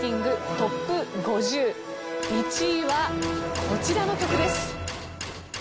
ＴＯＰ５０１位はこちらの曲です。